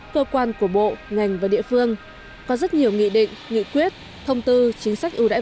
cơ quan của bộ ngành và địa phương có rất nhiều nghị định nghị quyết thông tư chính sách ưu đãi